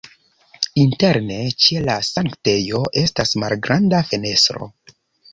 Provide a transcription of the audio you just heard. Interne ĉe la sanktejo estas malgranda fenestro.